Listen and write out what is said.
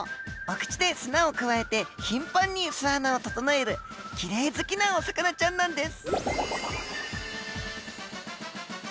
お口で砂をくわえて頻繁に巣穴をととのえるきれい好きなお魚ちゃんなんです。